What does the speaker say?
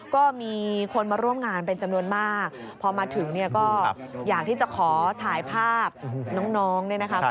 ก็มีคนมาร่วมงานเป็นจำนวนมากพอมาถึงเนี่ยก็อยากที่จะขอถ่ายภาพน้องเนี่ยนะคะ